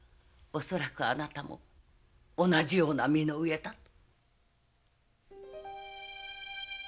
恐らくあなたも同じような身の上だと！